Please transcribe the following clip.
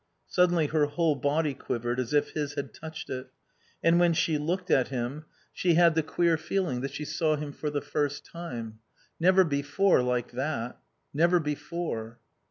Suddenly her whole body quivered as if his had touched it. And when she looked at him she had the queer feeling that she saw him for the first time. Never before like that. Never before.